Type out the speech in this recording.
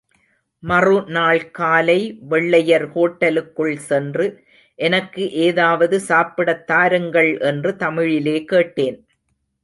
மறுநாள் காலை, வெள்ளையர் ஹோட்டலுக்குள் சென்று, எனக்கு ஏதாவது சாப்பிடத் தாருங்கள் என்று தமிழிலே கேட்டேன்.